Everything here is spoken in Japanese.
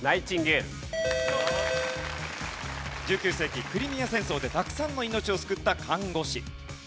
１９世紀クリミア戦争でたくさんの命を救った看護師。